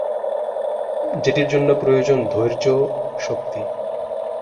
যেটির জন্য প্রয়োজন ধৈর্য, শক্তি।